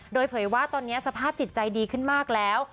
โดยเผยว่าตอนนี้สภาพจิตใจดีขึ้นมากแล้ว